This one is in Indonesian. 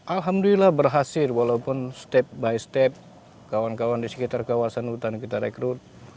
alhamdulillah berhasil walaupun step by step kawan kawan di sekitar kawasan hutan kita rekrut